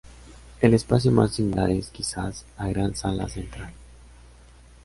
El espacio más singular es, quizás, la gran sala central.